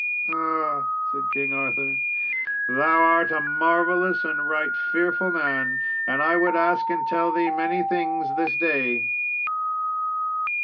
"Ah," said King Arthur, "thou art a marvellous and right fearful man, and I would ask and tell thee many things this day."